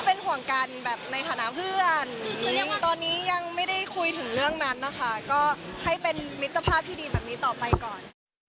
เป็นห่วงกันแบบในฐานะเพื่อนตอนนี้ยังไม่ได้คุยถึงเรื่องนั้นนะคะก็ให้เป็นมิตรภาพที่ดีแบบนี้ต่อไปก่อน